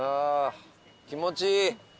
気持ちいい。